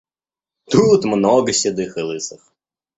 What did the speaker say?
— Тут много седых и лысых.